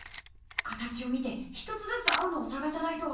形を見て１つずつ合うのを探さないと。